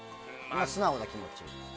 素直な気持ち。